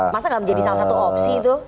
masa gak menjadi salah satu opsi itu